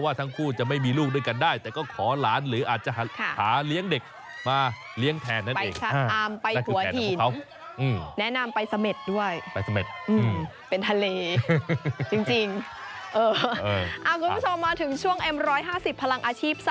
วันนี้นะครับจะพาไปดูครับ